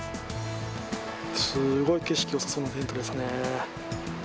すごい景色よさそうなテントですね。